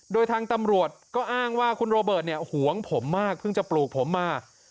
โดยทางตำรวจก็อ้างว่าคุณโรเบิร์ตเนี่ยหวงผมมากเพิ่งจะปลูกผมมา